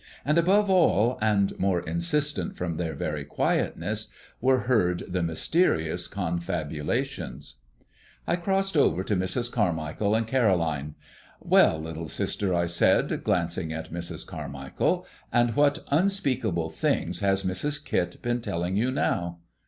And above all, and more insistent from their very quietness, were heard the mysterious confabulations. I crossed over to Mrs. Carmichael and Caroline. "Well, little sister," I said, glancing at Mrs. Carmichael, "and what unspeakable things has Mrs. Kit been telling you now?"